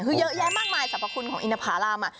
คือเยอะแยะมากมายสรรพคุณของอินทภาราม